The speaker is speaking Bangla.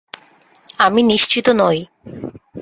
আমি নিশ্চিত নই।